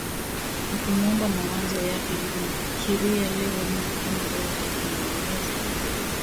na kumuomba mawazo yake hivyo unafikiria leo mtu kama huyo hayupo unawaza